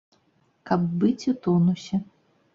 Каб быць у тонусе.